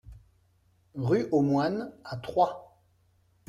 Rue Aux Moines à Troyes